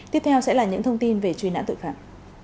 tiếp theo sẽ là những thông tin về truy nã tội phạm